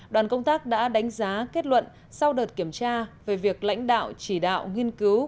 đoàn công tác đã đánh giá kết luận sau đợt kiểm tra về việc lãnh đạo chỉ đạo nghiên cứu